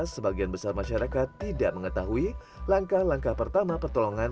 sebagian besar masyarakat tidak mengetahui langkah langkah pertama pertolongan